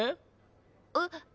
えっ？